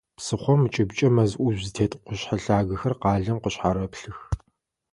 Псыхъом ыкӏыбкӏэ мэз ӏужъу зытет къушъхьэ лъагэхэр къалэм къышъхьарэплъых.